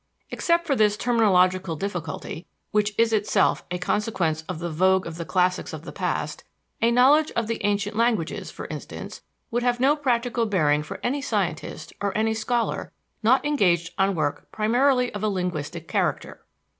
Except for this terminological difficulty which is itself a consequence of the vogue of the classics of the past a knowledge of the ancient languages, for instance, would have no practical bearing for any scientist or any scholar not engaged on work primarily of a linguistic character.